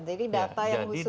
jadi data yang khusus seperti